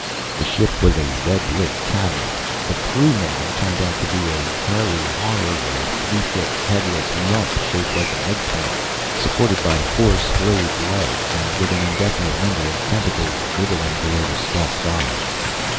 The ship was a red lit cavern. The "crewman" turned out to be a hairy horror, a three foot headless lump shaped like an eggplant, supported by four splayed legs and with an indefinite number of tentacles wriggling below the stalked eyes.